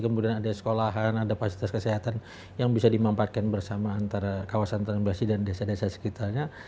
kemudian ada sekolahan ada fasilitas kesehatan yang bisa dimampatkan bersama antara kawasan transbasi dan desa desa sekitarnya